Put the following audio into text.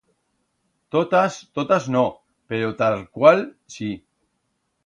Totas, totas no, pero tarcual sí.